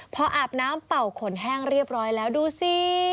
พออาบน้ำเป่าขนแห้งเรียบร้อยแล้วดูสิ